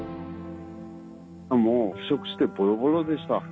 もう腐食してボロボロでした。